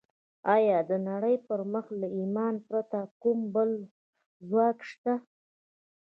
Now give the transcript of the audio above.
ایا د نړۍ پر مخ له ایمانه پرته کوم بل ځواک شته